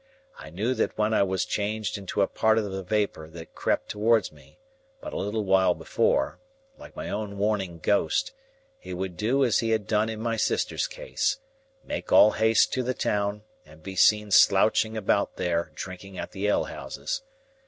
I knew that when I was changed into a part of the vapour that had crept towards me but a little while before, like my own warning ghost, he would do as he had done in my sister's case,—make all haste to the town, and be seen slouching about there drinking at the alehouses.